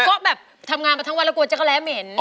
ก็แบบทำงานมาทั้งวันแล้วกลัวจักรแร้เหม็น